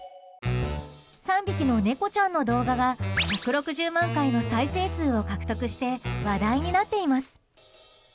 ３匹の猫ちゃんの動画が１６０万回の再生数を獲得して話題になっています。